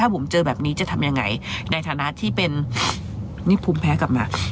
เราน้องพิธีกร